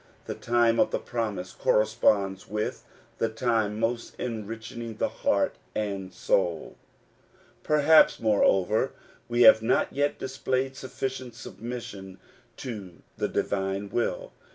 The time of the promise corresponds with the time most enriching to heart and soul. Perhaps, moreover, we have not yet displayed sufficient submission to the divine will.